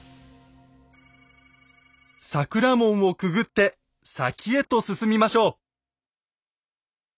桜門をくぐって先へと進みましょう。